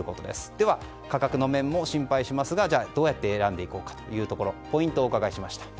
では、価格の面も心配しますがどうやって選んでいこうかポイントをお伺いしました。